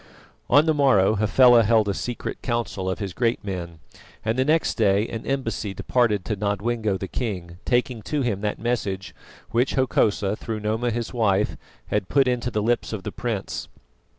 On the morrow Hafela held a secret council of his great men, and the next day an embassy departed to Nodwengo the king, taking to him that message which Hokosa, through Noma his wife, had put into the lips of the prince.